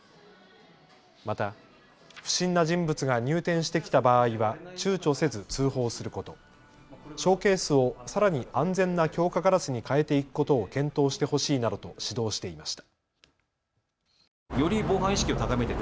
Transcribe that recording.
また、不審な人物が入店してきた場合はちゅうちょせず通報すること、ショーケースをさらに安全な強化ガラスに変えていくことを検討してほしいなどと指導していました。